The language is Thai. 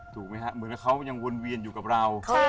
เหมือนเขายังวนเวียนอยู่กับเรา